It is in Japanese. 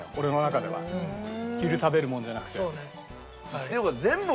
昼食べるものじゃなくて。